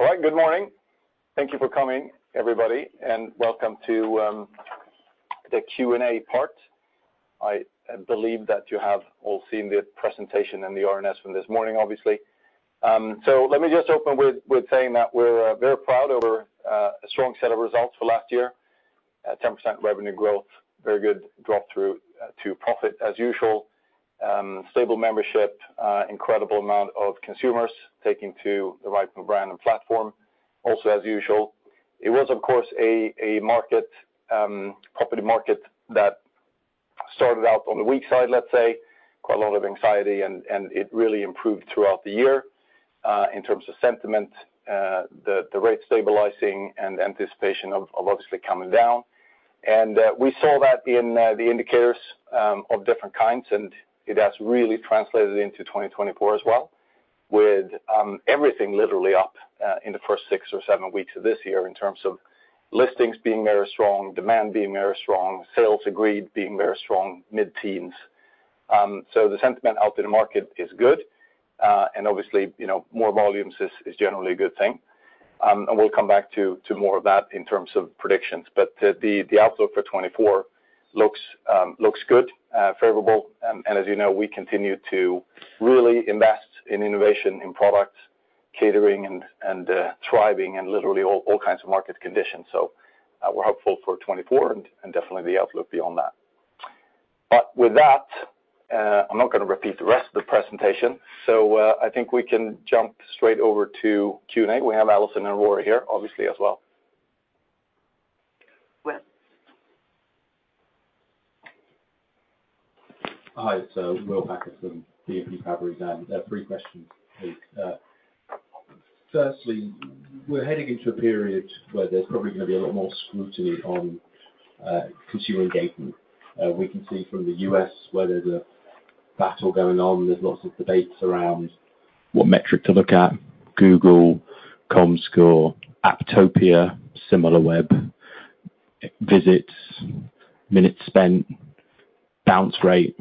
All right, good morning. Thank you for coming, everybody, and welcome to the Q&A part. I believe that you have all seen the presentation and the RNS from this morning, obviously. So let me just open with saying that we're very proud over a strong set of results for last year. 10% revenue growth, very good drop-through to profit, as usual. Stable membership, incredible amount of consumers taking to the Rightmove brand and platform, also, as usual. It was, of course, a property market that started out on the weak side, let's say, quite a lot of anxiety, and it really improved throughout the year, in terms of sentiment, the rate stabilizing, and anticipation of obviously coming down. We saw that in the indicators of different kinds, and it has really translated into 2024 as well, with everything literally up in the first six or seven weeks of this year in terms of listings being very strong, demand being very strong, sales agreed being very strong, mid-teens. So the sentiment out in the market is good, and obviously, you know, more volumes is generally a good thing. And we'll come back to more of that in terms of predictions. But the outlook for 2024 looks good, favorable. And as you know, we continue to really invest in innovation, in products, catering, and thriving, and literally all kinds of market conditions. So we're hopeful for 2024 and definitely the outlook beyond that. But with that, I'm not gonna repeat the rest of the presentation, so, I think we can jump straight over to Q&A. We have Alison and Ruaridh here, obviously, as well. Well. Hi, so William Packer, BNP Paribas, and three questions, please. Firstly, we're heading into a period where there's probably gonna be a lot more scrutiny on consumer engagement. We can see from the US where there's a battle going on, there's lots of debates around what metric to look at: Google, Comscore, Apptopia, SimilarWeb, visits, minutes spent, bounce rate.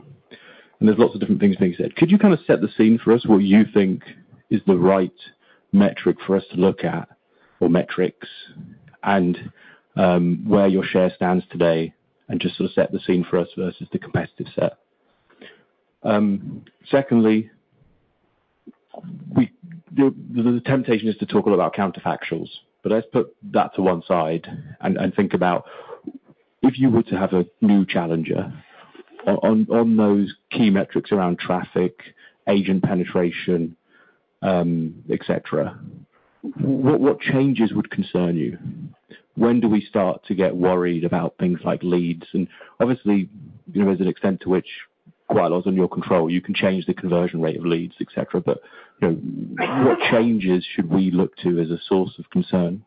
And there's lots of different things being said. Could you kinda set the scene for us, what you think is the right metric for us to look at, or metrics, and where your share stands today, and just sort of set the scene for us versus the competitive set? Secondly, the temptation is to talk all about counterfactuals, but let's put that to one side and think about if you were to have a new challenger on those key metrics around traffic, agent penetration, etc. What changes would concern you? When do we start to get worried about things like leads? And obviously, you know, there's an extent to which quite a lot's under your control. You can change the conversion rate of leads, etc., but, you know, what changes should we look to as a source of concern?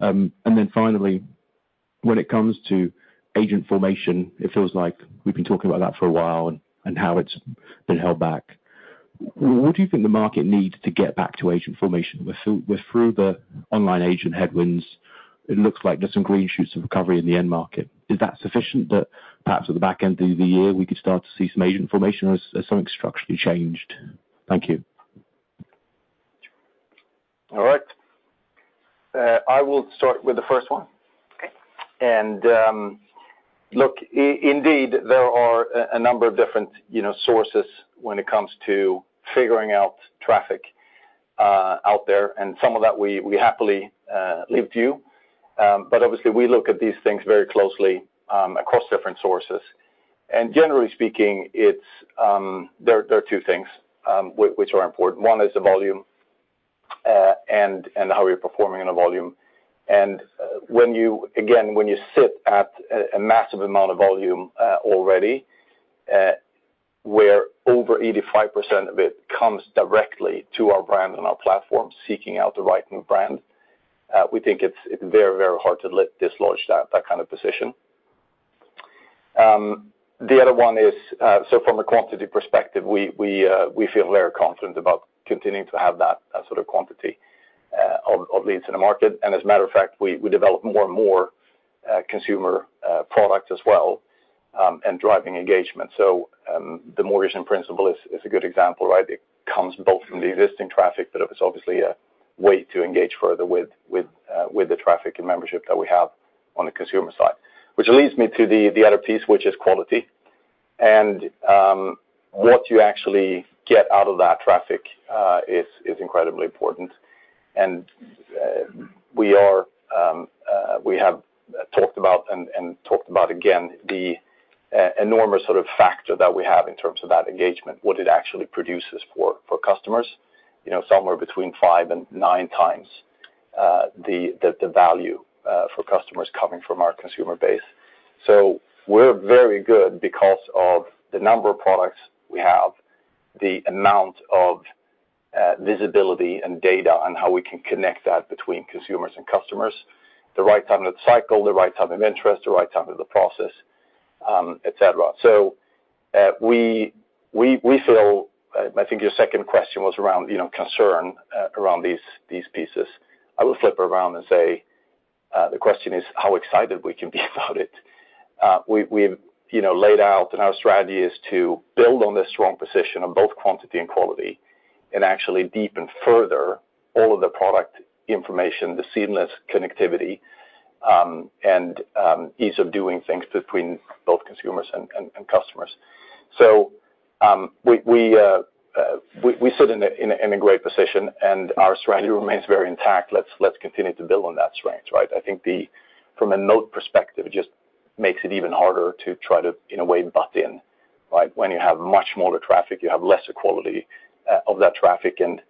And then finally, when it comes to agent formation, it feels like we've been talking about that for a while and how it's been held back. What do you think the market needs to get back to agent formation? We're through the online agent headwinds. It looks like there's some green shoots of recovery in the end market. Is that sufficient that perhaps at the back end of the year we could start to see some agent formation or is something structurally changed? Thank you. All right. I will start with the first one. Okay. Look, indeed, there are a number of different, you know, sources when it comes to figuring out traffic out there, and some of that we happily leave to you. But obviously, we look at these things very closely across different sources. And generally speaking, it's there are two things which are important. One is the volume, and how we are performing on the volume. And when you again, when you sit at a massive amount of volume already, where over 85% of it comes directly to our brand and our platform seeking out the Rightmove brand, we think it's very hard to dislodge that kind of position. The other one is, so from a quantity perspective, we feel very confident about continuing to have that sort of quantity of leads in the market. And as a matter of fact, we develop more and more consumer products as well, and driving engagement. So, the Mortgage in Principle is a good example, right? It comes both from the existing traffic, but it was obviously a way to engage further with the traffic and membership that we have on the consumer side. Which leads me to the other piece, which is quality. And, what you actually get out of that traffic is incredibly important. And, we have talked about and talked about again the enormous sort of factor that we have in terms of that engagement, what it actually produces for customers, you know, somewhere between five and nine times the value for customers coming from our consumer base. So we're very good because of the number of products we have, the amount of visibility and data, and how we can connect that between consumers and customers, the right time of the cycle, the right time of interest, the right time of the process, etc. So, we feel I think your second question was around, you know, concern around these pieces. I will flip it around and say, the question is how excited we can be about it. We've, you know, laid out and our strategy is to build on this strong position of both quantity and quality and actually deepen further all of the product information, the seamless connectivity, and ease of doing things between both consumers and customers. So, we sit in a great position, and our strategy remains very intact. Let's continue to build on that strength, right? I think, from a moat perspective, it just makes it even harder to try to, in a way, butt in, right, when you have much smaller traffic, you have lesser quality of that traffic, and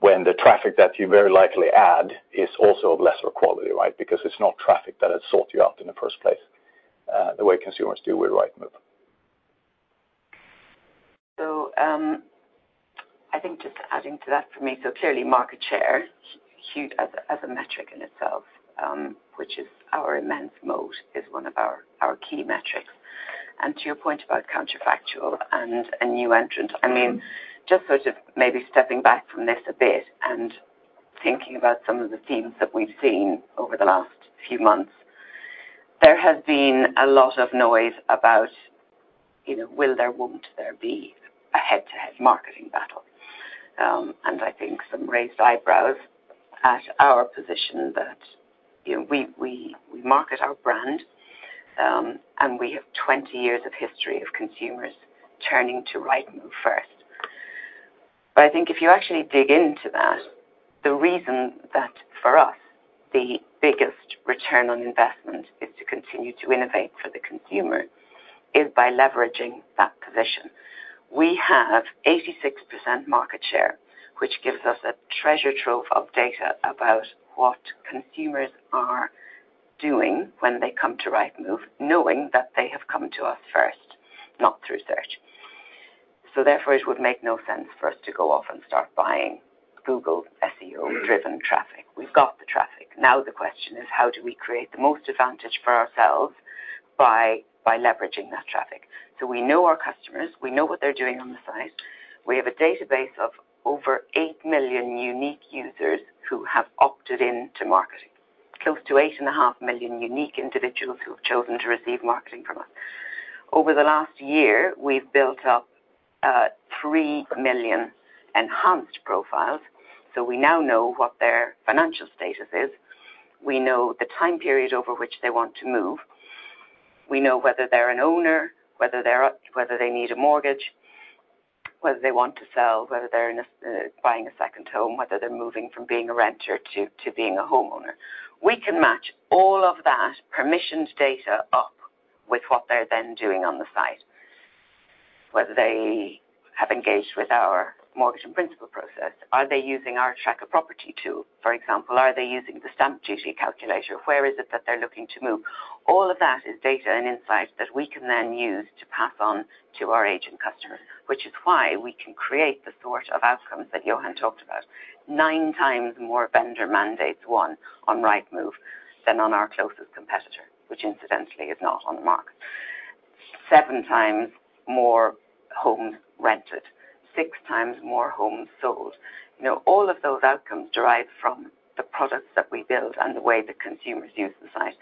when the traffic that you very likely add is also of lesser quality, right, because it's not traffic that has sought you out in the first place, the way consumers do with Rightmove. So, I think just adding to that for me, so clearly market share, huge as a as a metric in itself, which is our immense moat, is one of our, our key metrics. And to your point about counterfactual and, and new entrants, I mean, just sort of maybe stepping back from this a bit and thinking about some of the themes that we've seen over the last few months, there has been a lot of noise about, you know, will there won't there be a head-to-head marketing battle? And I think some raised eyebrows at our position that, you know, we, we, we market our brand, and we have 20 years of history of consumers turning to Rightmove first. But I think if you actually dig into that, the reason that for us, the biggest return on investment is to continue to innovate for the consumer is by leveraging that position. We have 86% market share, which gives us a treasure trove of data about what consumers are doing when they come to Rightmove, knowing that they have come to us first, not through search. So therefore, it would make no sense for us to go off and start buying Google SEO-driven traffic. We've got the traffic. Now the question is how do we create the most advantage for ourselves by, by leveraging that traffic? So we know our customers, we know what they're doing on the site. We have a database of over 8 million unique users who have opted into marketing, close to 8.5 million unique individuals who have chosen to receive marketing from us. Over the last year, we've built up 3 million enhanced profiles, so we now know what their financial status is. We know the time period over which they want to move. We know whether they're an owner, whether they need a mortgage, whether they want to sell, whether they're, say, buying a second home, whether they're moving from being a renter to being a homeowner. We can match all of that permissioned data up with what they're then doing on the site, whether they have engaged with our Mortgage in Principle process. Are they using our Track a Property tool, for example? Are they using the Stamp Duty Calculator? Where is it that they're looking to move? All of that is data and insight that we can then use to pass on to our agent customers, which is why we can create the sort of outcomes that Johan talked about: 9 times more vendor mandates won on Rightmove than on our closest competitor, which incidentally is not on the market. 7 times more homes rented. 6 times more homes sold. You know, all of those outcomes derive from the products that we build and the way that consumers use the site.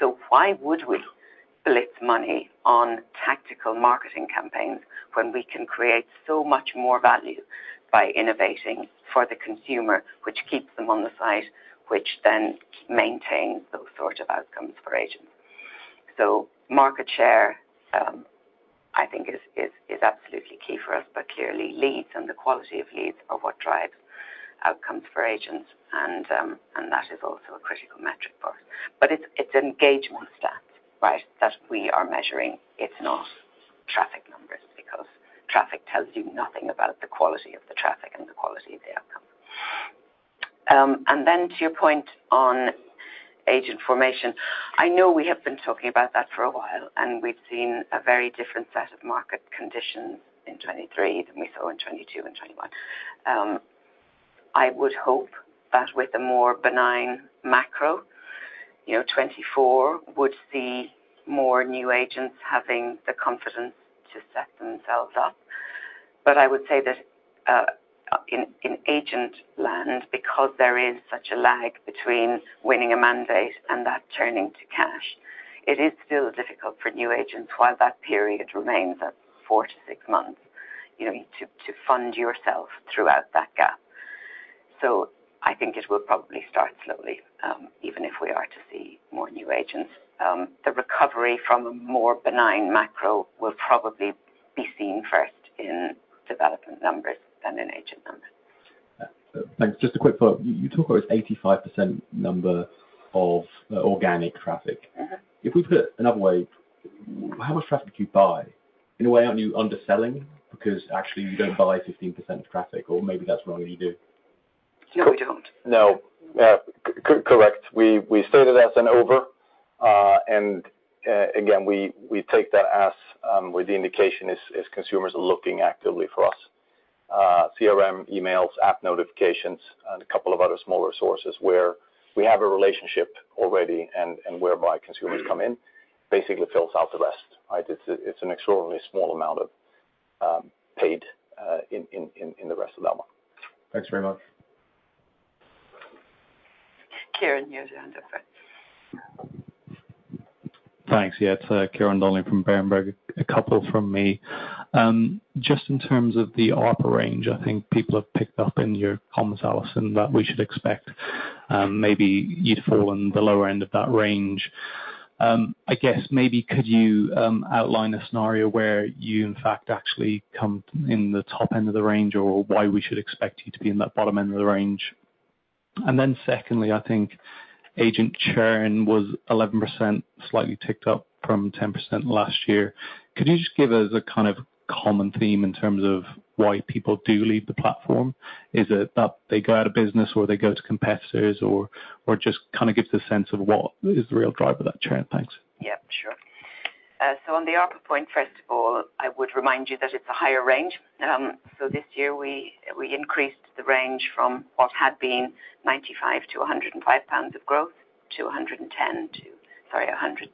So why would we blitz money on tactical marketing campaigns when we can create so much more value by innovating for the consumer, which keeps them on the site, which then maintains those sort of outcomes for agents? So market share, I think is absolutely key for us, but clearly, leads and the quality of leads are what drives outcomes for agents, and that is also a critical metric for us. But it's engagement stats, right, that we are measuring. It's not traffic numbers because traffic tells you nothing about the quality of the traffic and the quality of the outcome. And then to your point on agent formation, I know we have been talking about that for a while, and we've seen a very different set of market conditions in 2023 than we saw in 2022 and 2021. I would hope that with a more benign macro, you know, 2024 would see more new agents having the confidence to set themselves up. But I would say that, in agent land, because there is such a lag between winning a mandate and that turning to cash, it is still difficult for new agents while that period remains at 4-6 months, you know, to fund yourself throughout that gap. So I think it will probably start slowly, even if we are to see more new agents. The recovery from a more benign macro will probably be seen first in development numbers than in agent numbers. Yeah. Thanks. Just a quick thought. You talk about this 85% number of organic traffic. Mm-hmm. If we put it another way, how much traffic do you buy? In a way, aren't you underselling because actually, you don't buy 15% of traffic, or maybe that's wrong and you do? No, we don't. No. Correct. We stated as an over and again, we take that as where the indication is consumers are looking actively for us. CRM, emails, app notifications, and a couple of other smaller sources where we have a relationship already and whereby consumers come in basically fills out the rest, right? It's an extraordinarily small amount of paid in the rest of that one. Thanks very much. Kieran here to end up, right? Thanks. Yeah, it's Ciaran Donnelly from Berenberg. A couple from me. Just in terms of the ARPA range, I think people have picked up in your comments, Alison, that we should expect maybe you'd fall in the lower end of that range. I guess maybe could you outline a scenario where you, in fact, actually come in the top end of the range or why we should expect you to be in that bottom end of the range? And then secondly, I think agent churn was 11%, slightly ticked up from 10% last year. Could you just give us a kind of common theme in terms of why people do leave the platform? Is it that they go out of business or they go to competitors or just kinda give the sense of what is the real driver of that churn? Thanks. Yeah, sure. So on the ARPA point, first of all, I would remind you that it's a higher range. So this year, we, we increased the range from what had been 95-105 pounds of growth to 110- sorry, 100-110.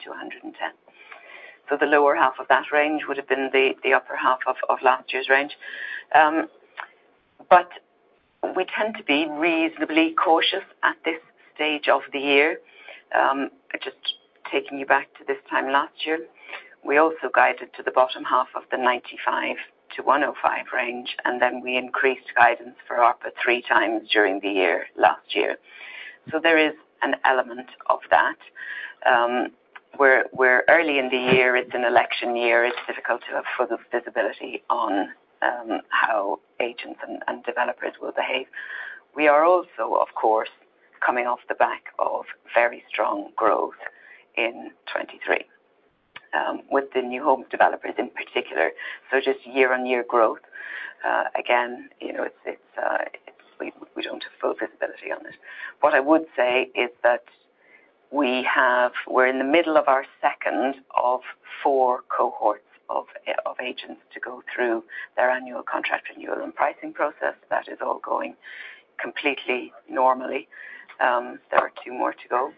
So the lower half of that range would have been the, the upper half of, of last year's range. But we tend to be reasonably cautious at this stage of the year. Just taking you back to this time last year, we also guided to the bottom half of the 95-105 range, and then we increased guidance for ARPA three times during the year last year. So there is an element of that. We're, we're early in the year. It's an election year. It's difficult to have full visibility on how agents and, and developers will behave. We are also, of course, coming off the back of very strong growth in 2023, with the new home developers in particular. So just year-on-year growth, again, you know, it's we don't have full visibility on it. What I would say is that we're in the middle of our second of four cohorts of agents to go through their annual contract renewal and pricing process. That is all going completely normally. There are two more to go,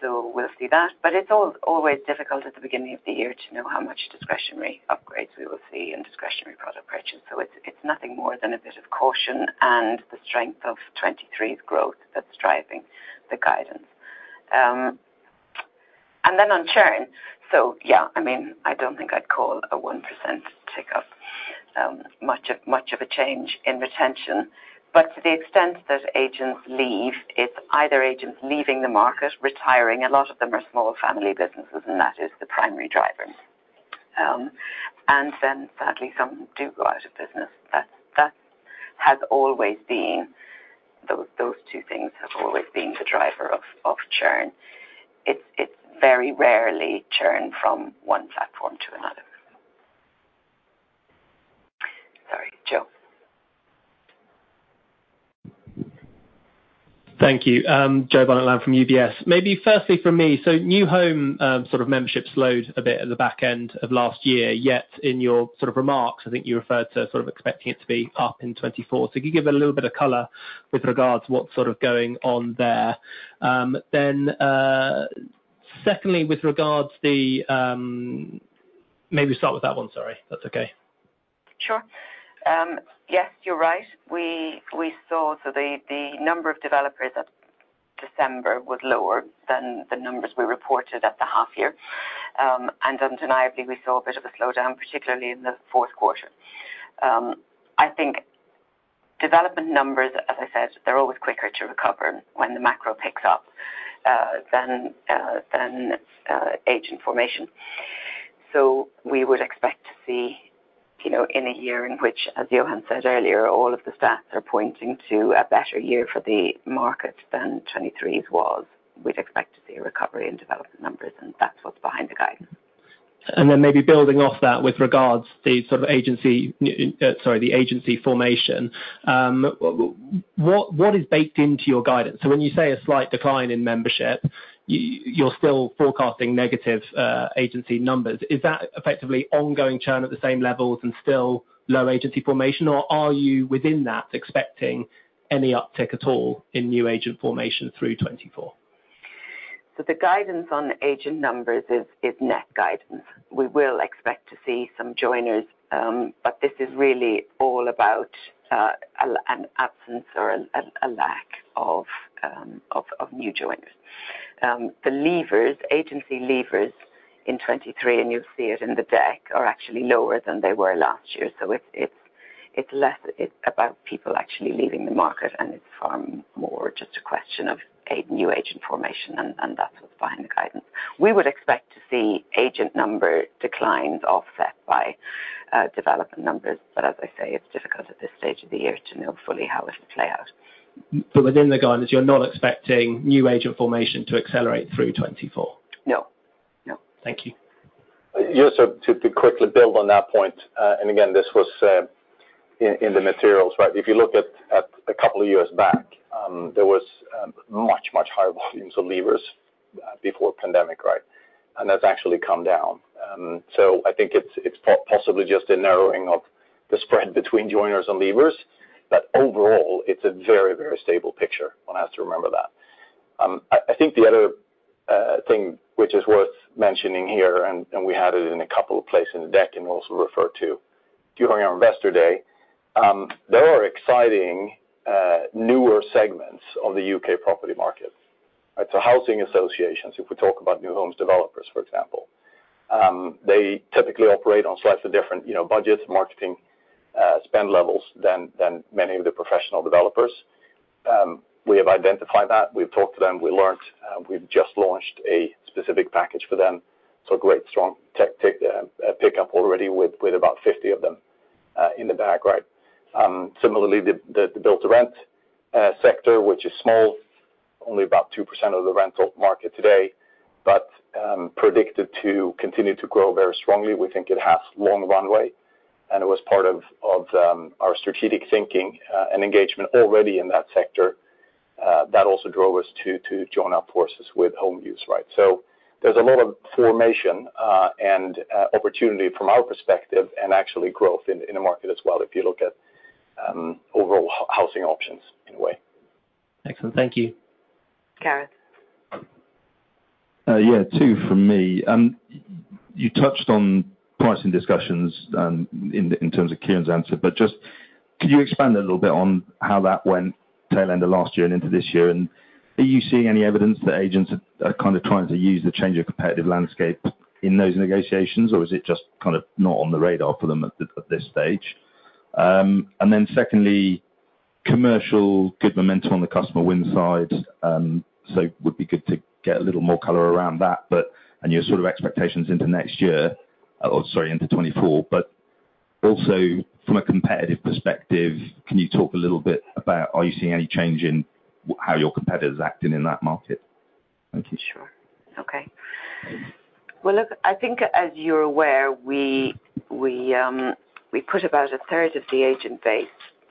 so we'll see that. But it's always difficult at the beginning of the year to know how much discretionary upgrades we will see and discretionary product purchase. So it's nothing more than a bit of caution and the strength of 2023's growth that's driving the guidance. And then on churn, so yeah, I mean, I don't think I'd call a 1% tick up much of a change in retention. But to the extent that agents leave, it's either agents leaving the market, retiring. A lot of them are small family businesses, and that is the primary driver. Then sadly, some do go out of business. That's, that has always been those two things have always been the driver of churn. It's very rarely churn from one platform to another. Sorry, Joe. Thank you. Joseph Barnet-Lamb from UBS. Maybe firstly from me. So new home, sort of membership slowed a bit at the back end of last year, yet in your sort of remarks, I think you referred to sort of expecting it to be up in 2024. So could you give a little bit of color with regards to what's sort of going on there? Then, secondly, with regards to, maybe we'll start with that one. Sorry. That's okay. Sure. Yes, you're right. We saw the number of developers at December was lower than the numbers we reported at the half-year. Undeniably, we saw a bit of a slowdown, particularly in the fourth quarter. I think development numbers, as I said, they're always quicker to recover when the macro picks up than agent formation. So we would expect to see, you know, in a year in which, as Johan said earlier, all of the stats are pointing to a better year for the market than 2023's was, we'd expect to see a recovery in development numbers, and that's what's behind the guidance. And then maybe building off that with regards to sort of the agency formation. What is baked into your guidance? So when you say a slight decline in membership, you're still forecasting negative agency numbers. Is that effectively ongoing churn at the same levels and still low agency formation, or are you within that expecting any uptick at all in new agent formation through 2024? So the guidance on agent numbers is net guidance. We will expect to see some joiners, but this is really all about an absence or a lack of new joiners. The levers, agency levers in 2023, and you'll see it in the deck, are actually lower than they were last year. So it's less about people actually leaving the market, and it's far more just a question of new agent formation, and that's what's behind the guidance. We would expect to see agent number declines offset by development numbers, but as I say, it's difficult at this stage of the year to know fully how it'll play out. Within the guidance, you're not expecting new agent formation to accelerate through 2024? No. No. Thank you. Just to quickly build on that point, and again, this was in the materials, right? If you look at a couple of years back, there was much higher volumes of leavers before pandemic, right? And that's actually come down. So I think it's possibly just a narrowing of the spread between joiners and leavers, but overall, it's a very, very stable picture. One has to remember that. I think the other thing which is worth mentioning here, and we had it in a couple of places in the deck and also referred to during our investor day, there are exciting newer segments of the UK property market, right? So housing associations, if we talk about new homes developers, for example, they typically operate on slightly different, you know, budgets, marketing spend levels than many of the professional developers. We have identified that. We've talked to them. We learned, we've just launched a specific package for them. So great, strong tech kit, pickup already with about 50 of them in the bag, right? Similarly, the build-to-rent sector, which is small, only about 2% of the rental market today, but predicted to continue to grow very strongly. We think it has long runway, and it was part of our strategic thinking and engagement already in that sector. That also drove us to join up forces with HomeViews, right? So there's a lot of information and opportunity from our perspective and actually growth in a market as well if you look at overall housing options in a way. Excellent. Thank you. Gareth. Yeah, two from me. You touched on pricing discussions, in terms of Kieran's answer, but just could you expand a little bit on how that went tail-ender last year and into this year? And are you seeing any evidence that agents are kinda trying to use the change of competitive landscape in those negotiations, or is it just kinda not on the radar for them at this stage? And then secondly, commercial, good momentum on the customer winside, so would be good to get a little more color around that, but and your sort of expectations into next year or sorry, into 2024. But also from a competitive perspective, can you talk a little bit about are you seeing any change in how your competitors are acting in that market? Thank you. Sure. Okay. Well, look, I think as you're aware, we put about a third of the agent base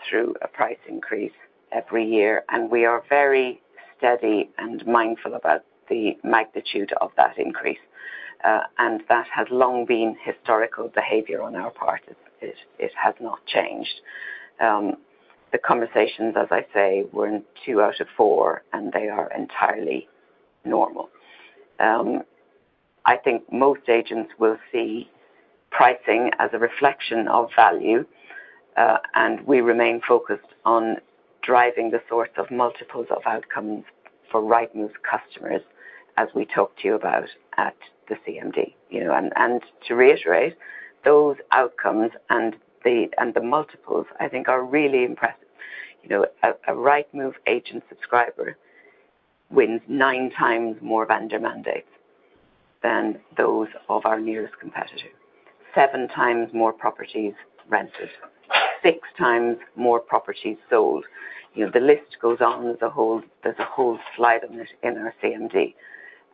through a price increase every year, and we are very steady and mindful about the magnitude of that increase. And that has long been historical behavior on our part. It has not changed. The conversations, as I say, were in two out of four, and they are entirely normal. I think most agents will see pricing as a reflection of value, and we remain focused on driving the sorts of multiples of outcomes for Rightmove's customers as we talked to you about at the CMD, you know? And to reiterate, those outcomes and the multiples, I think, are really impressive. You know, a Rightmove agent subscriber wins 9 times more vendor mandates than those of our nearest competitor, 7 times more properties rented, 6 times more properties sold. You know, the list goes on. There's a whole slide on it in our CMD.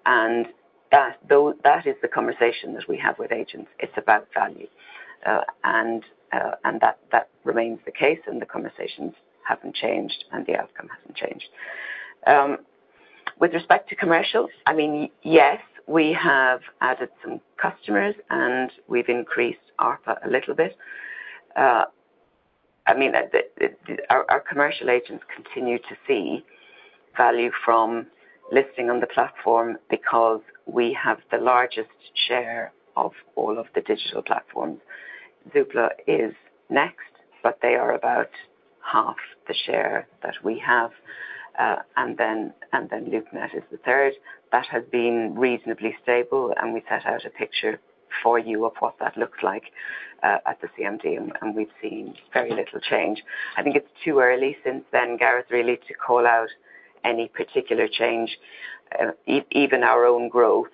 And that, though, that is the conversation that we have with agents. It's about value. And that remains the case, and the conversations haven't changed, and the outcome hasn't changed. With respect to commercial, I mean, yes, we have added some customers, and we've increased ARPA a little bit. I mean, our commercial agents continue to see value from listing on the platform because we have the largest share of all of the digital platforms. Zoopla is next, but they are about half the share that we have. And then LoopNet is the third. That has been reasonably stable, and we set out a picture for you of what that looks like at the CMD, and we've seen very little change. I think it's too early since then, Gareth, really, to call out any particular change. Even our own growth,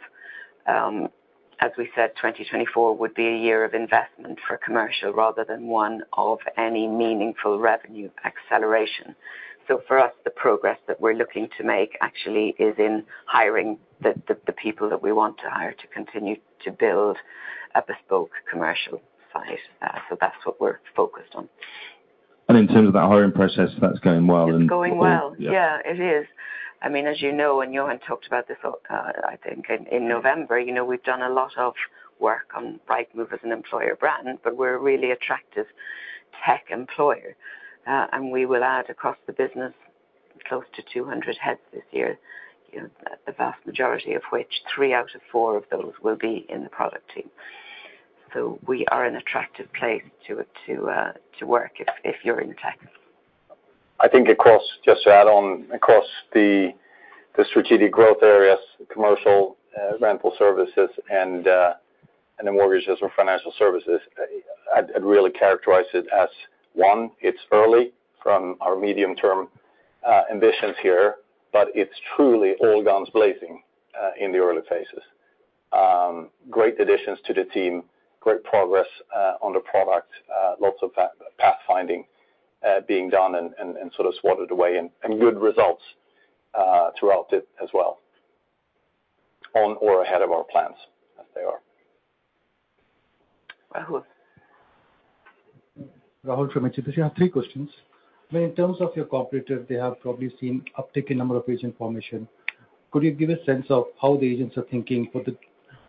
as we said, 2024 would be a year of investment for commercial rather than one of any meaningful revenue acceleration. So for us, the progress that we're looking to make actually is in hiring the people that we want to hire to continue to build a bespoke commercial site. So that's what we're focused on. And in terms of that hiring process, that's going well and. It's going well. Yeah, it is. I mean, as you know, and Johan talked about this, oh, I think in November, you know, we've done a lot of work on Rightmove as an employer brand, but we're a really attractive tech employer. And we will add across the business close to 200 heads this year, you know, the vast majority of which three out of four of those will be in the product team. So we are an attractive place to work if you're in tech. I think across just to add on, across the strategic growth areas, commercial, rental services, and then mortgages and financial services, I'd really characterize it as one, it's early from our medium-term ambitions here, but it's truly all guns blazing in the early phases. Great additions to the team, great progress on the product, lots of pathfinding being done and sort of swatted away, and good results throughout it as well on or ahead of our plans as they are. Rahul. Rahul from HSBC, I have three questions. I mean, in terms of your competitors, they have probably seen uptick in number of agent formation. Could you give a sense of how the agents are thinking for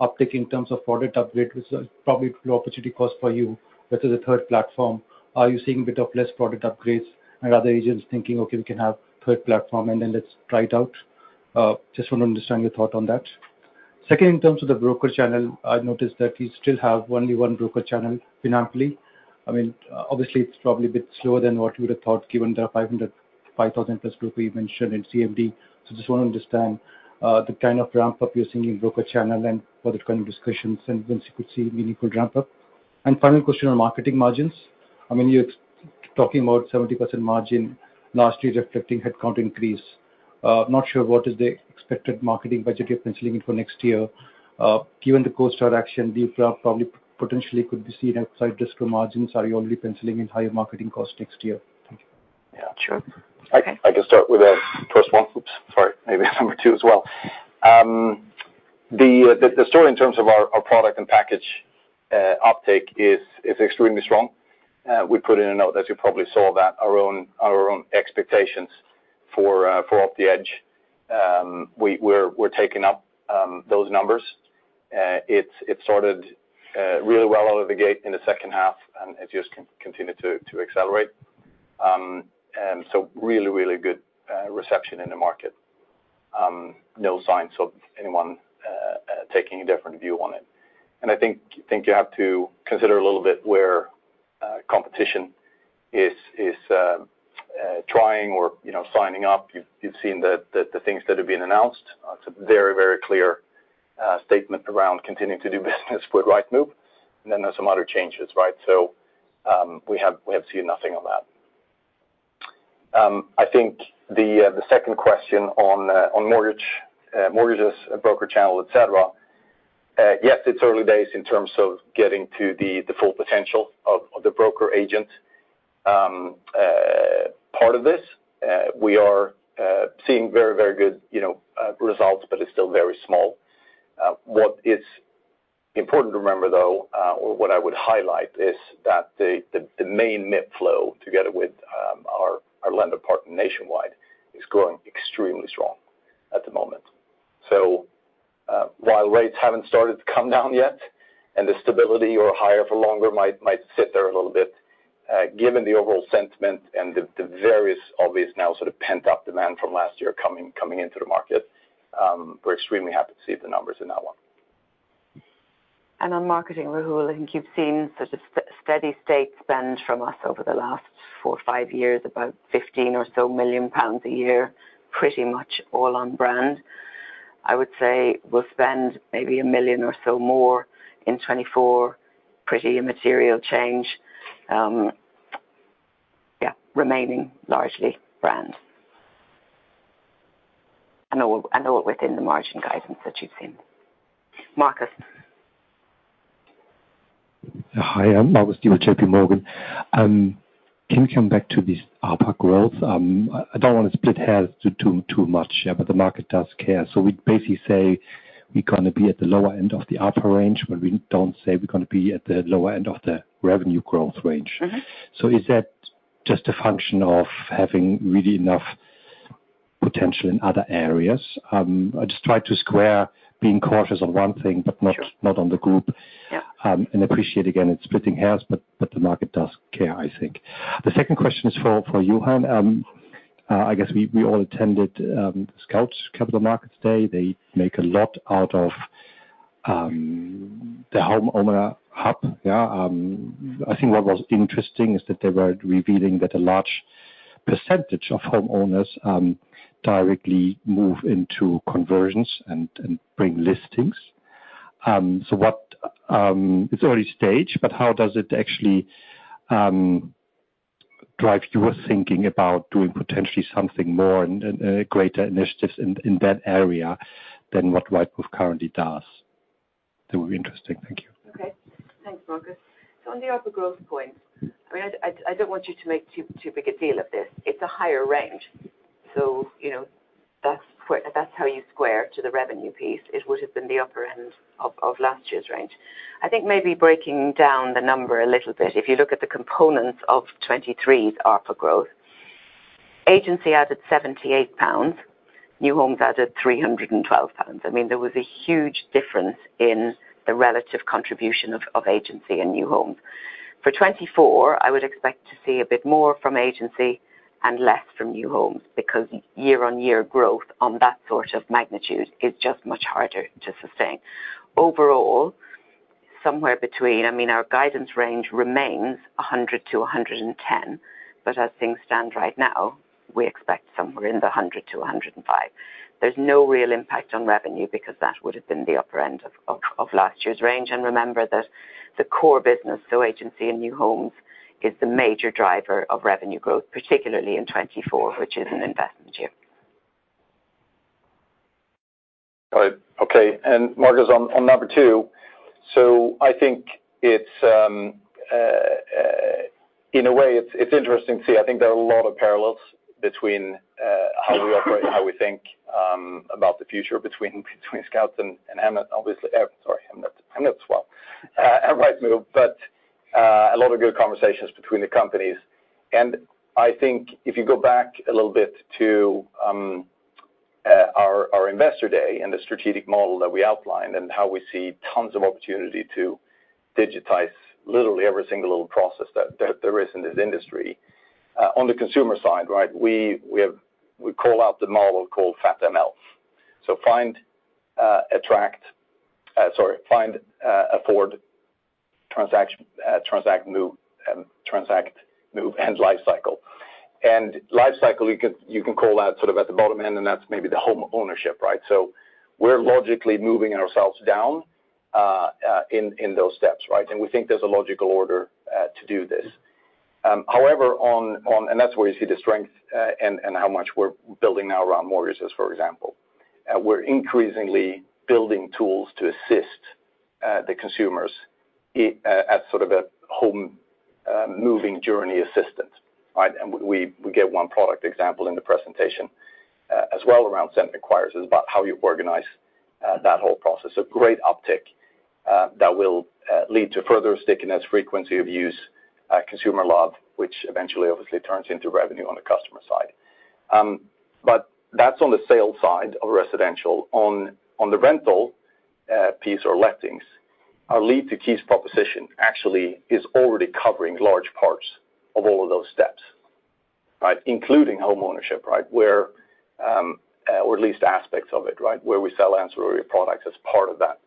the uptick in terms of product upgrade, which is probably a little opportunity cost for you with the third platform? Are you seeing a bit of less product upgrades and other agents thinking, "Okay, we can have third platform, and then let's try it out"? Just want to understand your thought on that. Second, in terms of the broker channel, I noticed that you still have only one broker channel financially. I mean, obviously, it's probably a bit slower than what you would have thought given there are 5,000-plus brokers you mentioned in CMD. So, just want to understand the kind of ramp-up you're seeing in broker channel and whether kind of discussions and when you could see meaningful ramp-up. And final question on marketing margins. I mean, you're expecting about 70% margin last year reflecting headcount increase. Not sure what is the expected marketing budget you're penciling in for next year. Given the cost of acquisition, do you probably potentially could be seeing upside risk to margins? Are you already penciling in higher marketing costs next year? Thank you. Yeah, sure. I can start with the first one. Oops. Sorry. Maybe it's number two as well. The story in terms of our product and package uptick is extremely strong. We put in a note as you probably saw that our own expectations for Optimiser Edge. We're taking up those numbers. It started really well out of the gate in the second half, and it just continued to accelerate. So really good reception in the market. No signs of anyone taking a different view on it. And I think you have to consider a little bit where competition is trying or, you know, signing up. You've seen the things that have been announced. It's a very clear statement around continuing to do business with Rightmove, and then there's some other changes, right? So, we have seen nothing on that. I think the second question on mortgages, broker channel, etc., yes, it's early days in terms of getting to the full potential of the broker agent part of this. We are seeing very good, you know, results, but it's still very small. What is important to remember, though, or what I would highlight is that the main MIP flow together with our lender partner Nationwide is growing extremely strong at the moment. So, while rates haven't started to come down yet and the stability or higher for longer might sit there a little bit, given the overall sentiment and the various obvious now sort of pent-up demand from last year coming into the market, we're extremely happy to see the numbers in that one. On marketing, Rahul, I think you've seen sort of steady state spend from us over the last 4-5 years, about 15 million or so a year, pretty much all on brand. I would say we'll spend maybe 1 million or so more in 2024, pretty immaterial change. Yeah, remaining largely brand. I know it I know it within the margin guidance that you've seen. Marcus. Hi. I'm Marcus Diebel, JP Morgan. Can you come back to this OPA growth? I don't want to split hairs too much, yeah, but the market does care. So we'd basically say we're gonna be at the lower end of the OPA range, but we don't say we're gonna be at the lower end of the revenue growth range. Mm-hmm. Is that just a function of having really enough potential in other areas? I just tried to square being cautious on one thing but not. Sure. Not on the group. Yeah. and appreciate again it's splitting hairs, but, but the market does care, I think. The second question is for, for Johan. I guess we, we all attended, Scout24 Capital Markets Day. They make a lot out of, the Homeowner Hub, yeah? I think what was interesting is that they were revealing that a large percentage of homeowners, directly move into conversions and, and bring listings. So what, it's early stage, but how does it actually, drive your thinking about doing potentially something more and, and, greater initiatives in, in that area than what Rightmove currently does? That would be interesting. Thank you. Okay. Thanks, Marcus. So on the ARPA growth points, I mean, I don't want you to make too big a deal of this. It's a higher range. So, you know, that's where that's how you square to the revenue piece. It would have been the upper end of last year's range. I think maybe breaking down the number a little bit, if you look at the components of 2023's ARPA growth, agency added 78 pounds, new homes added 312 pounds. I mean, there was a huge difference in the relative contribution of agency and new homes. For 2024, I would expect to see a bit more from agency and less from new homes because year-on-year growth on that sort of magnitude is just much harder to sustain. Overall, somewhere between—I mean, our guidance range remains 100-110, but as things stand right now, we expect somewhere in the 100-105. There's no real impact on revenue because that would have been the upper end of last year's range. And remember that the core business, so agency and new homes, is the major driver of revenue growth, particularly in 2024, which is an investment year. All right. Okay. And Marcus, on number two, so I think it's, in a way, it's interesting to see. I think there are a lot of parallels between how we operate, how we think about the future between Scout and Hemnet, obviously. Oh, sorry. Hemnet. Hemnet as well and Rightmove, but a lot of good conversations between the companies. And I think if you go back a little bit to our investor day and the strategic model that we outlined and how we see tons of opportunity to digitize literally every single little process that there is in this industry, on the consumer side, right, we call out the model called FATML. So find, afford, transact, move and lifecycle. Lifecycle, you can call out sort of at the bottom end, and that's maybe the home ownership, right? So we're logically moving ourselves down in those steps, right? And we think there's a logical order to do this. However, on and that's where you see the strength and how much we're building now around mortgages, for example. We're increasingly building tools to assist the consumers as sort of a home moving journey assistant, right? And we get one product example in the presentation, as well around sentiment queries is about how you organize that whole process. So great uptick that will lead to further stickiness, frequency of use, consumer love, which eventually, obviously, turns into revenue on the customer side. But that's on the sales side of residential. On the rental piece or lettings, our Lead to Keys proposition actually is already covering large parts of all of those steps, right, including home ownership, right, where, or at least aspects of it, right, where we sell ancillary products as part of that,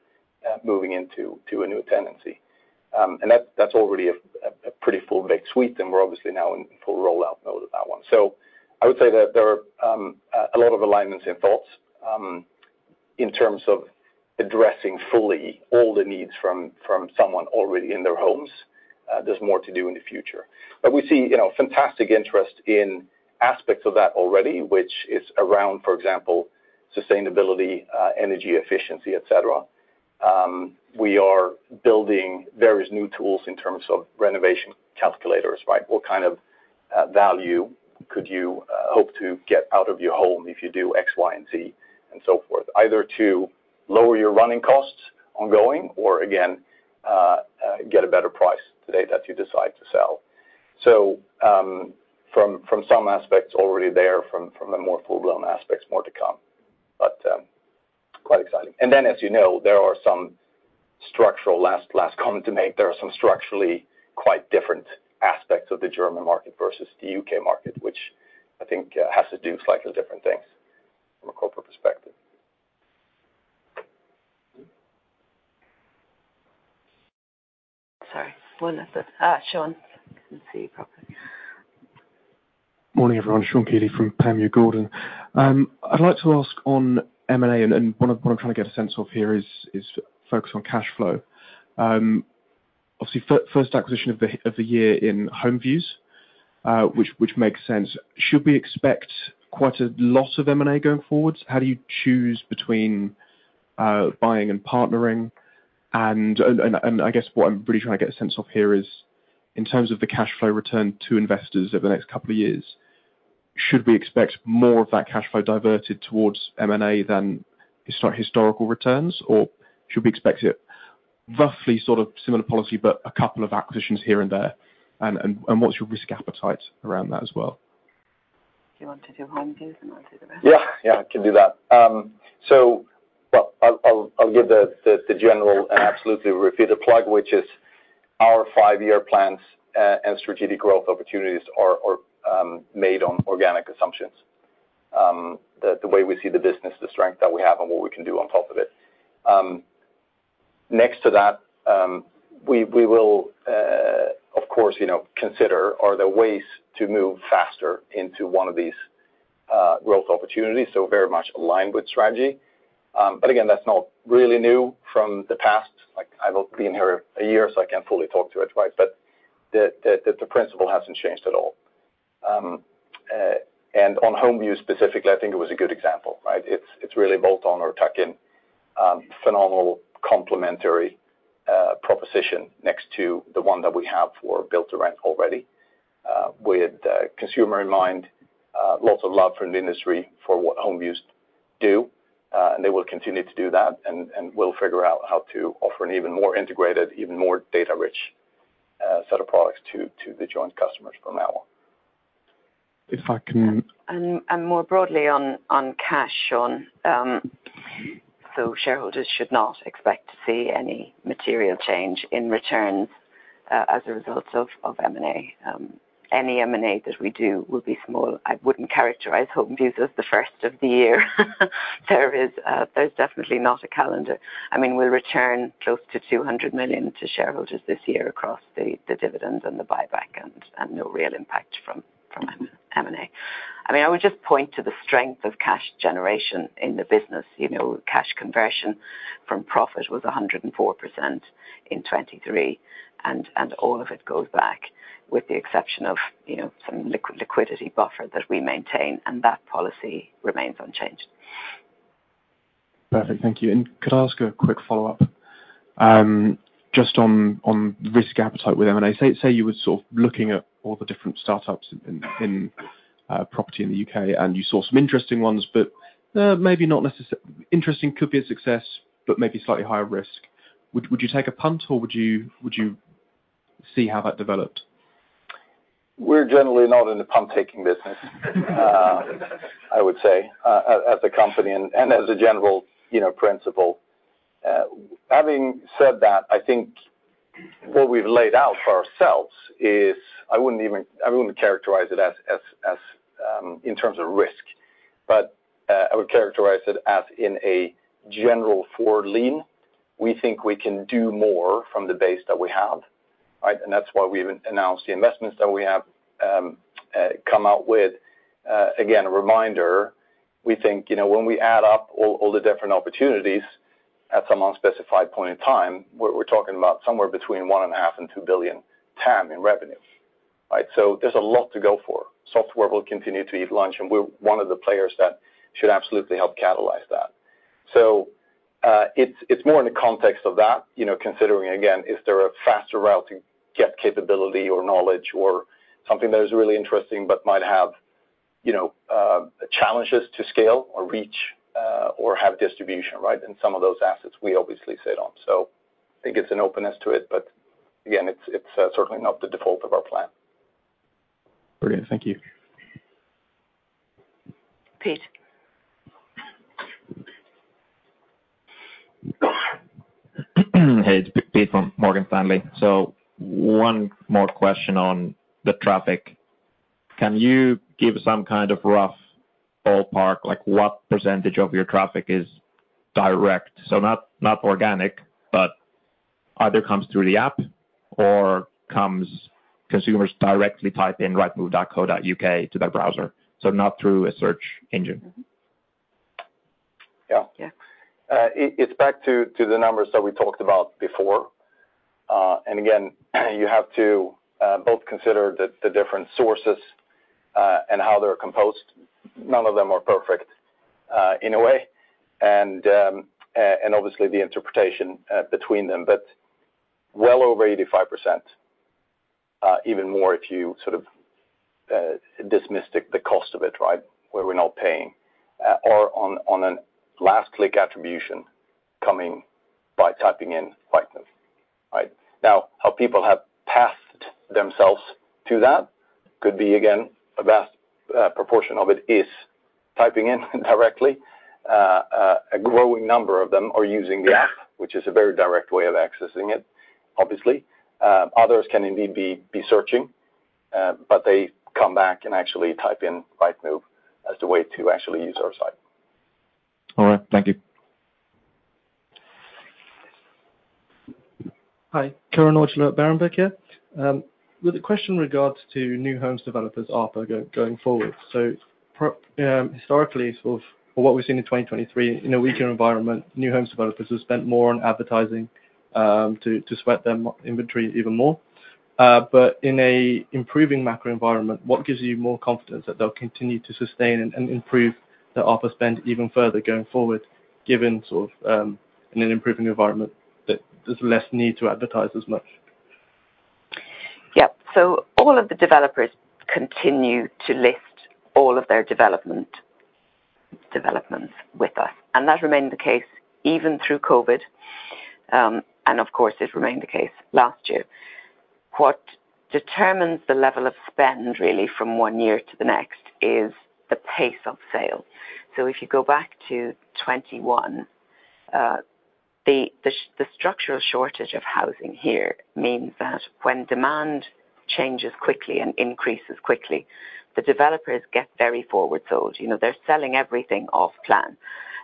moving into a new tenancy. And that's already a pretty fully baked suite, and we're obviously now in full rollout mode of that one. So I would say that there are a lot of alignments in thoughts, in terms of addressing fully all the needs from someone already in their homes. There's more to do in the future. But we see, you know, fantastic interest in aspects of that already, which is around, for example, sustainability, energy efficiency, etc. We are building various new tools in terms of renovation calculators, right? What kind of value could you hope to get out of your home if you do X, Y, and Z, and so forth, either to lower your running costs ongoing or again get a better price today that you decide to sell. So, from some aspects already there, from the more full-blown aspects, more to come, but quite exciting. And then, as you know, there are some structural last comment to make. There are some structurally quite different aspects of the German market versus the U.K. market, which I think has to do slightly different things from a corporate perspective. Sorry. One minute. Sean, I can't see you properly. Morning everyone If you want to do HomeViews, then I'll do the rest. Yeah. Yeah. I can do that. So, well, I'll give the general and absolutely repeat the plug, which is our five-year plans, and strategic growth opportunities are made on organic assumptions, the way we see the business, the strength that we have, and what we can do on top of it. Next to that, we will, of course, you know, consider, are there ways to move faster into one of these growth opportunities? So very much aligned with strategy. But again, that's not really new from the past. Like, I've only been here a year, so I can't fully talk to it right, but the principle hasn't changed at all. And on HomeViews specifically, I think it was a good example, right? It's, it's really bolt-on or tuck-in, phenomenal complementary proposition next to the one that we have for built-to-rent already, with consumer in mind, lots of love from the industry for what HomeViews do. And they will continue to do that, and we'll figure out how to offer an even more integrated, even more data-rich set of products to the joint customers from now on. If I can. More broadly on cash, Sean, so shareholders should not expect to see any material change in returns, as a result of M&A. Any M&A that we do will be small. I wouldn't characterize HomeViews as the first of the year. There's definitely not a calendar. I mean, we'll return close to 200 million to shareholders this year across the dividend and the buyback and no real impact from M&A. I mean, I would just point to the strength of cash generation in the business. You know, cash conversion from profit was 104% in 2023, and all of it goes back with the exception of, you know, some liquidity buffer that we maintain, and that policy remains unchanged. Perfect. Thank you. And could I ask a quick follow-up? Just on risk appetite with M&A, say you were sort of looking at all the different startups in property in the U.K., and you saw some interesting ones, but maybe not necessarily interesting, could be a success, but maybe slightly higher risk. Would you take a punt, or would you see how that developed? We're generally not in the punt-taking business, I would say, as a company and as a general, you know, principle. Having said that, I think what we've laid out for ourselves is I wouldn't even characterize it as, in terms of risk, but I would characterize it as in a general forward lean. We think we can do more from the base that we have, right? And that's why we even announced the investments that we have come out with. Again, a reminder, we think, you know, when we add up all the different opportunities at some unspecified point in time, we're talking about somewhere between 1.5 billion and 2 billion TAM in revenue, right? So there's a lot to go for. Software will continue to eat lunch, and we're one of the players that should absolutely help catalyze that. So, it's more in the context of that, you know, considering, again, is there a faster route to get capability or knowledge or something that is really interesting but might have, you know, challenges to scale or reach, or have distribution, right? And some of those assets, we obviously sit on. So I think it's an openness to it, but again, it's certainly not the default of our plan. Brilliant. Thank you. Pete. Hey. It's Pete from Morgan Stanley. So one more question on the traffic. Can you give some kind of rough ballpark, like, what percentage of your traffic is direct? So not, not organic, but either comes through the app or comes consumers directly type in Rightmove.co.uk to their browser, so not through a search engine. Yeah. Yeah. It's back to the numbers that we talked about before. And again, you have to both consider the different sources and how they're composed. None of them are perfect, in a way. And obviously, the interpretation between them. But well over 85%, even more if you sort of dismissed the cost of it, right, where we're not paying are on last-click attribution coming by typing in Rightmove, right? Now, how people have passed themselves to that could be, again, a vast proportion of it is typing in directly. A growing number of them are using the app, which is a very direct way of accessing it, obviously. Others can indeed be searching, but they come back and actually type in Rightmove as the way to actually use our site. All right. Thank you. Hi. Ciaran Donnelly from Berenberg here with a question in regards to new homes developers' ad offering going forward. So prior historically, sort of what we've seen in 2023, in a weaker environment, new homes developers have spent more on advertising to sweat their inventory even more. But in an improving macro environment, what gives you more confidence that they'll continue to sustain and improve their ad spend even further going forward given sort of, in an improving environment that there's less need to advertise as much? Yep. So all of the developers continue to list all of their development developments with us, and that remained the case even through COVID, and of course, it remained the case last year. What determines the level of spend, really, from one year to the next is the pace of sale. So if you go back to 2021, the structural shortage of housing here means that when demand changes quickly and increases quickly, the developers get very forward-sold. You know, they're selling everything off plan.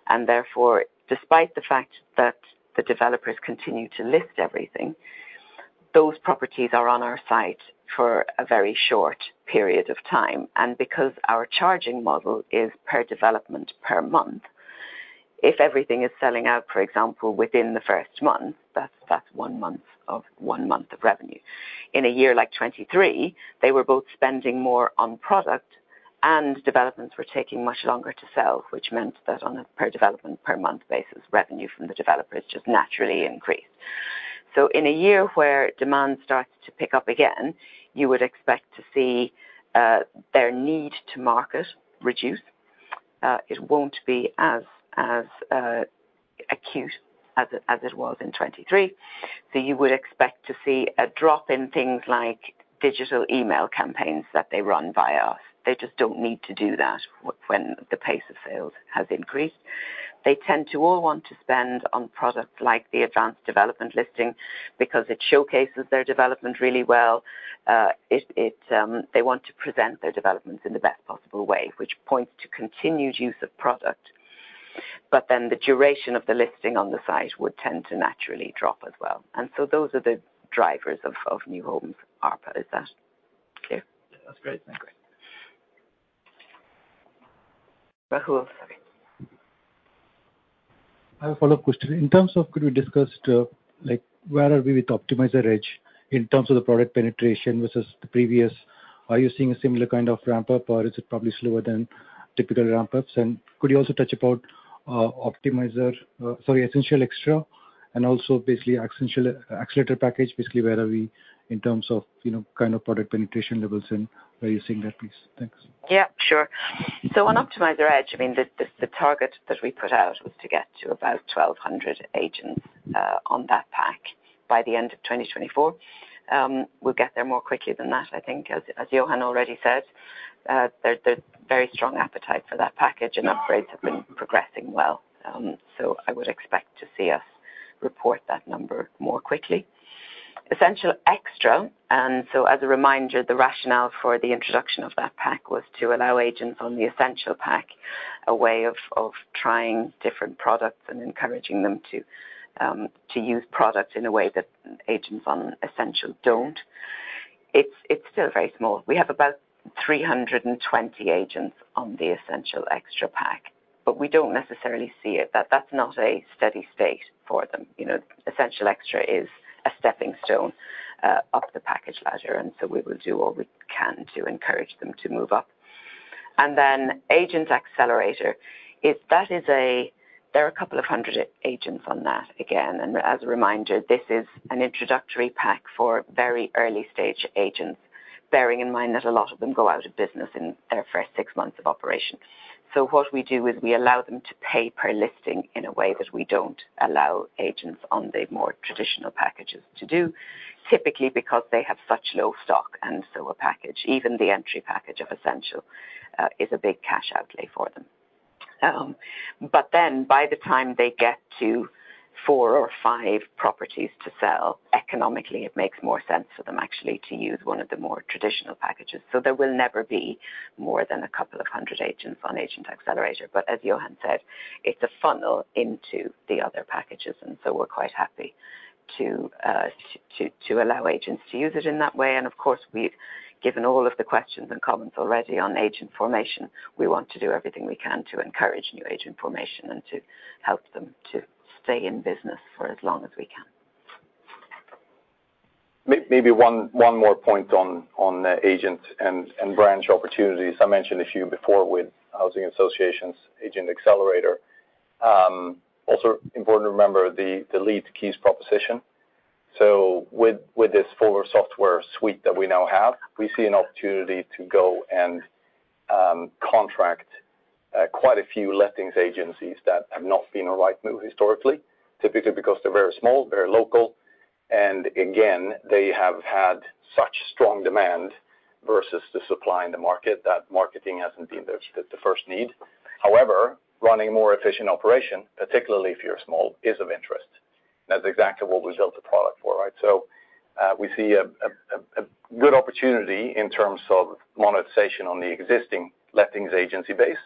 And therefore, despite the fact that the developers continue to list everything, those properties are on our site for a very short period of time. And because our charging model is per development per month, if everything is selling out, for example, within the first month, that's one month of revenue. In a year like 2023, they were both spending more on product, and developments were taking much longer to sell, which meant that on a per development per month basis, revenue from the developers just naturally increased. So in a year where demand starts to pick up again, you would expect to see their need to market reduce. It won't be as acute as it was in 2023. So you would expect to see a drop in things like digital email campaigns that they run via us. They just don't need to do that when the pace of sales has increased. They tend to all want to spend on products like the Advanced Development Listing because it showcases their development really well. They want to present their developments in the best possible way, which points to continued use of product. But then the duration of the listing on the site would tend to naturally drop as well. And so those are the drivers of new homes offer. Is that clear? Yeah. That's great. Thanks. Rahul, sorry. I have a follow-up question. In terms of could we discuss, like, where are we with Optimiser Edge in terms of the product penetration versus the previous? Are you seeing a similar kind of ramp-up, or is it probably slower than typical ramp-ups? And could you also touch about, Optimiser, sorry, Essential Extra and also basically Agent Accelerator package, basically where are we in terms of, you know, kind of product penetration levels and where you're seeing that, please? Thanks. Yeah. Sure. So on Optimiser Edge, I mean, the target that we put out was to get to about 1,200 agents on that pack by the end of 2024. We'll get there more quickly than that, I think, as Johan already said. There's very strong appetite for that package, and upgrades have been progressing well. So I would expect to see us report that number more quickly. Essential Extra and so as a reminder, the rationale for the introduction of that pack was to allow agents on the Essential pack a way of trying different products and encouraging them to use products in a way that agents on Essential don't. It's still very small. We have about 320 agents on the Essential Extra pack, but we don't necessarily see it. That's not a steady state for them. You know, Essential Extra is a stepping stone up the package ladder, and so we will do all we can to encourage them to move up. And then Agent Accelerator, that is, there are a couple of hundred agents on that, again. And as a reminder, this is an introductory pack for very early-stage agents, bearing in mind that a lot of them go out of business in their first six months of operation. So what we do is we allow them to pay per listing in a way that we don't allow agents on the more traditional packages to do, typically because they have such low stock and so a package, even the entry package of Essential, is a big cash outlay for them. But then by the time they get to four or five properties to sell economically, it makes more sense for them actually to use one of the more traditional packages. So there will never be more than a couple of hundred agents on Agent Accelerator. But as Johan said, it's a funnel into the other packages, and so we're quite happy to allow agents to use it in that way. And of course, we've given all of the questions and comments already on agent formation. We want to do everything we can to encourage new agent formation and to help them to stay in business for as long as we can. Maybe one more point on agent and branch opportunities. I mentioned a few before with Housing Associations Agent Accelerator. Also important to remember the Lead to Keys proposition. So with this fuller software suite that we now have, we see an opportunity to go and contract quite a few lettings agencies that have not been Rightmove historically, typically because they're very small, very local. And again, they have had such strong demand versus the supply in the market that marketing hasn't been the first need. However, running a more efficient operation, particularly if you're small, is of interest. And that's exactly what we built the product for, right? So, we see a good opportunity in terms of monetization on the existing lettings agency base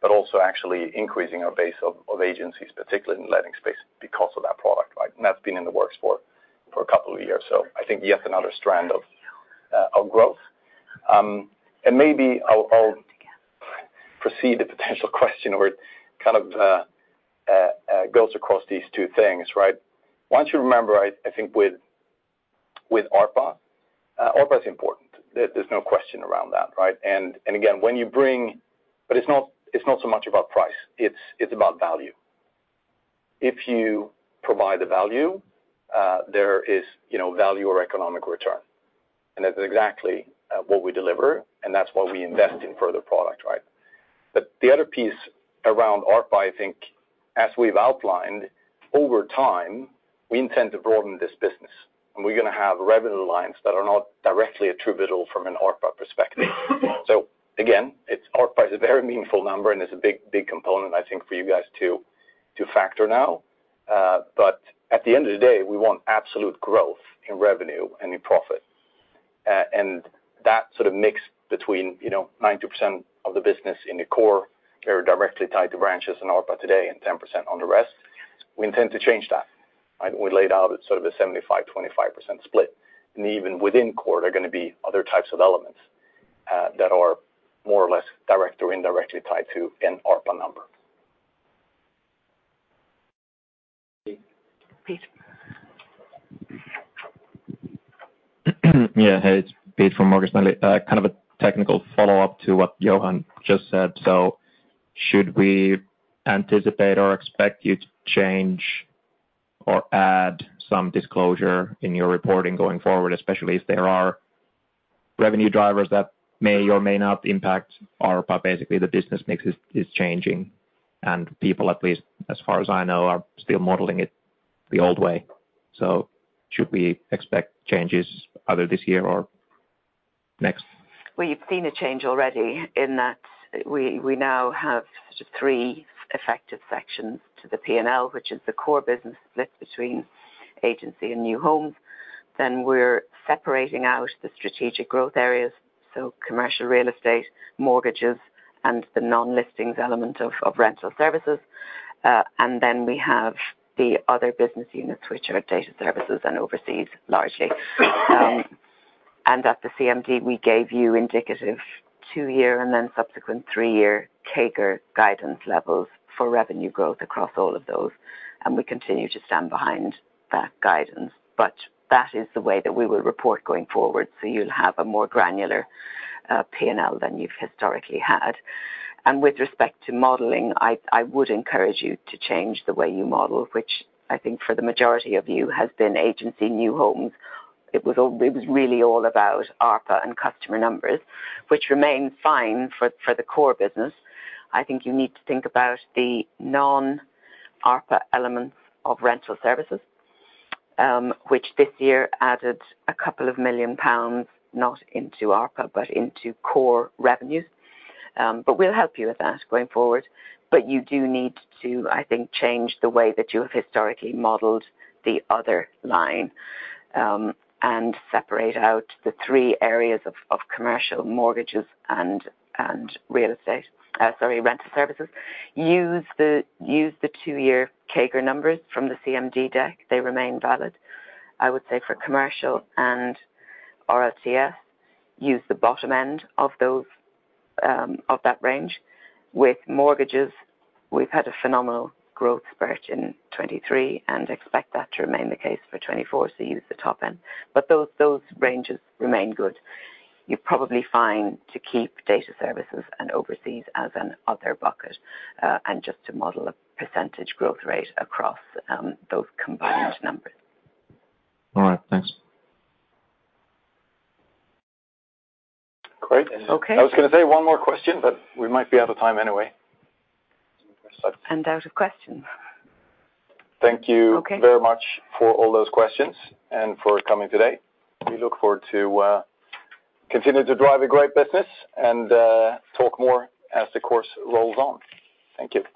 but also actually increasing our base of agencies, particularly in letting space, because of that product, right? And that's been in the works for a couple of years. So I think yet another strand of growth. And maybe I'll proceed to potential question where it kind of goes across these two things, right? Once you remember, I think with ARPA, ARPA is important. There's no question around that, right? And again, when you bring but it's not so much about price. It's about value. If you provide the value, there is, you know, value or economic return. And that's exactly what we deliver, and that's why we invest in further product, right? But the other piece around ARPA, I think, as we've outlined, over time, we intend to broaden this business, and we're gonna have revenue lines that are not directly attributable from an ARPA perspective. So again, it's ARPA is a very meaningful number, and it's a big, big component, I think, for you guys to factor now. But at the end of the day, we want absolute growth in revenue and in profit. And that sort of mix between, you know, 90% of the business in the core very directly tied to branches in ARPA today and 10% on the rest, we intend to change that, right? We laid out sort of a 75-25% split. And even within core, there are gonna be other types of elements, that are more or less direct or indirectly tied to an ARPA number. Pete. Pete. Yeah. Hey. It's Pete from Morgan Stanley. Kind of a technical follow-up to what Johan just said. So should we anticipate or expect you to change or add some disclosure in your reporting going forward, especially if there are revenue drivers that may or may not impact ARPA? Basically, the business mix is changing, and people, at least as far as I know, are still modeling it the old way. So should we expect changes either this year or next? Well, you've seen a change already in that we, we now have sort of three effective sections to the P&L, which is the core business split between agency and new homes. Then we're separating out the strategic growth areas, so commercial real estate, mortgages, and the non-listings element of, of rental services. Then we have the other business units, which are data services and overseas largely. At the CMD, we gave you indicative 2-year and then subsequent 3-year CAGR guidance levels for revenue growth across all of those, and we continue to stand behind that guidance. But that is the way that we will report going forward, so you'll have a more granular P&L than you've historically had. And with respect to modeling, I, I would encourage you to change the way you model, which I think for the majority of you has been agency new homes. It was really all about ARPA and customer numbers, which remains fine for the core business. I think you need to think about the non-ARPA elements of rental services, which this year added 2 million pounds not into ARPA but into core revenues. But we'll help you with that going forward. But you do need to, I think, change the way that you have historically modeled the other line, and separate out the three areas of commercial, mortgages, and real estate sorry, rental services. Use the 2-year CAGR numbers from the CMD deck. They remain valid, I would say, for commercial and Rentals. Use the bottom end of that range. With mortgages, we've had a phenomenal growth spurt in 2023 and expect that to remain the case for 2024, so use the top end. But those ranges remain good. You're probably fine to keep data services and overseas as another bucket, and just to model a percentage growth rate across those combined numbers. All right. Thanks. Great. Okay. I was gonna say one more question, but we might be out of time anyway. Out of questions. Thank you. Okay. Very much for all those questions and for coming today. We look forward to continue to drive a great business and talk more as the course rolls on. Thank you.